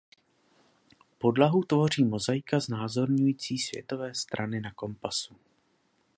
Podlahu tvoří mozaika znázorňující světové strany na kompasu.